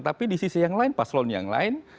tapi di sisi yang lain pak solon yang lain